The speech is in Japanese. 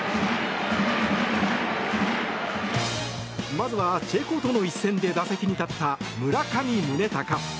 まずは、チェコとの一戦で打席に立った村上宗隆。